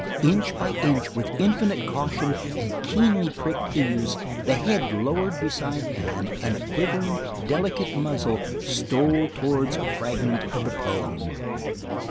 Inch by inch, with infinite caution and keenly pricked ears, the head lowered beside Dan, and the quivering, delicate muzzle stole towards a fragment of the "pone."